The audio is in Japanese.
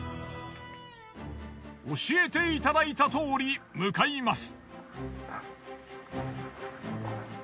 教えていただいたとおり向かいます。